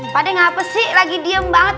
pak deh ngapasih lagi diem banget